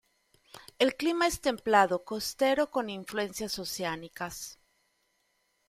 El clima es templado costero con influencias oceánicas.